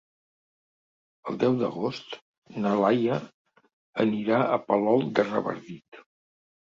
El deu d'agost na Laia anirà a Palol de Revardit.